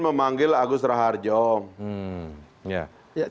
memanggil agus raharjong